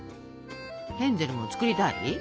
ヘンゼルも作りたい？